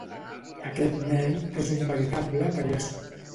Aquest nen és un veritable pallasso.